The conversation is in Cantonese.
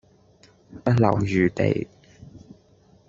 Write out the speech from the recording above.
不留餘地